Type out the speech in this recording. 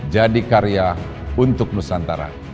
jadi karya untuk nusantara